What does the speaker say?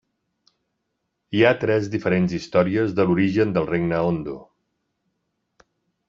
Hi ha tres diferents històries de l'origen del regne Ondo.